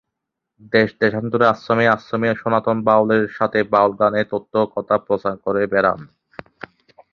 দেশ-দেশান্তরে, আশ্রমে- আশ্রমে সনাতন বাউল এর সাথে বাউল গান এর তত্ত্ব কথা প্রচার করে বেরান।